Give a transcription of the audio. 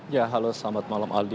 ya halo selamat malam aldi